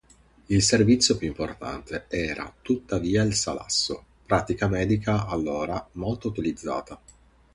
Il servizio più importante era tuttavia il salasso, pratica medica allora molto usata.